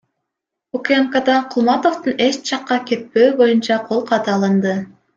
УКМКда Кулматовдон эч жакка кетпөө боюнча кол каты алынды.